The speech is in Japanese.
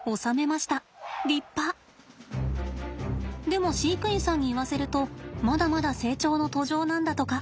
でも飼育員さんに言わせるとまだまだ成長の途上なんだとか。